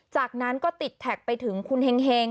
จากนั้นก็ติดแท็กไปถึงคุณเฮง